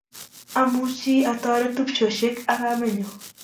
Amoche atoret tupchoshe ak kamenyu